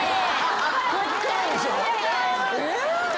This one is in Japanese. こっからでしょ。